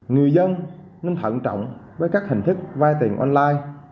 người dân nên thận trọng với các hình thức vay tiền online